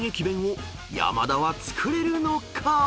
弁を山田は作れるのか？］